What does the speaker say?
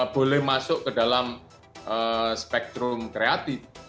boleh masuk ke dalam spektrum kreatif